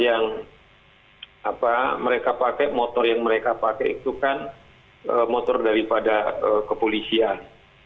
yang mereka pakai motor yang mereka pakai itu kan motor daripada kepolisian